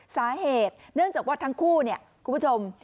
สาเหตุเนื่องจากว่าทั้งคู่เนี่ยคุณผู้ชม